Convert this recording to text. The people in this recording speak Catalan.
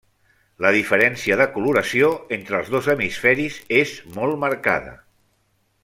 La diferència de coloració entre els dos hemisferis és molt marcada.